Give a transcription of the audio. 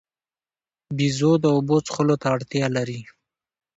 بیزو د اوبو څښلو ته اړتیا لري.